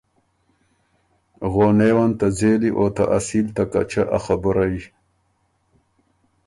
غونېون ته ځېلی او ته اصیل ته کَچۀ ا خبُرئ۔